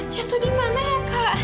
jatuh dimana ya kak